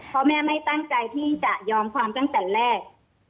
เพราะแม่ไม่ตั้งใจที่จะยอมความตั้งแต่แรก